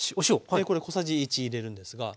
これ小さじ１入れるんですが。